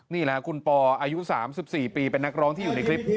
นี่แหละคุณปออายุ๓๔ปีเป็นนักร้องที่อยู่ในคลิป